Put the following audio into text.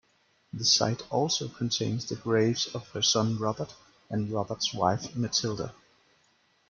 The site also contains the graves of her son Robert and Robert's wife Matilda.